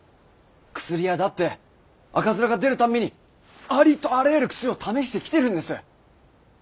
薬屋だって赤面が出る度にありとあらゆる薬を試してきてるんです。